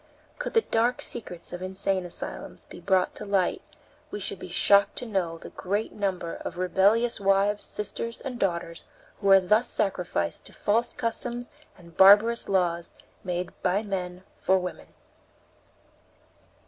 Could the dark secrets of insane asylums be brought to light we should be shocked to know the great number of rebellious wives, sisters, and daughters who are thus sacrificed to false customs and barbarous laws made by men for women.